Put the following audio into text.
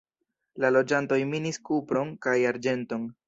La loĝantoj minis kupron kaj arĝenton.